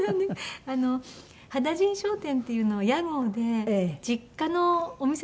羽田甚商店っていうのは屋号で実家のお店だったんですね。